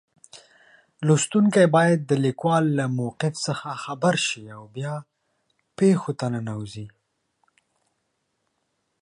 لوستونکی باید د لیکوال له موقف څخه خبر شي او بیا پېښو ته ننوځي.